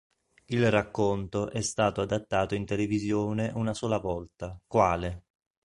Il racconto è stato adattato in televisione una sola volta, quale